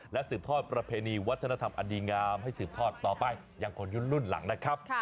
และสืบทอดประเพณีวัฒนธรรมอดีงามให้สืบทอดต่อไปอย่างคนยุครุ่นหลังนะครับ